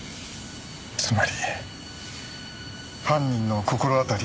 つまり犯人の心当たりですか？